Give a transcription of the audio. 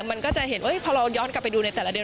มันก็จะเห็นว่าพอเราย้อนกลับไปดูในแต่ละเดือน